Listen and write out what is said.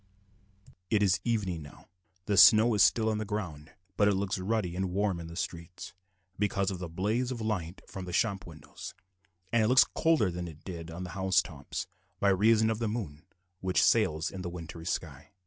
It is evening now. The snow is still on the ground; but it looks ruddy and warm in the streets, because of the blaze of light from the shop windows, and it looks colder than it did on the house tops, by reason of the moon which sails in the wintry sky.